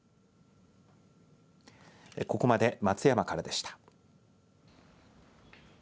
ここまで松山からでした。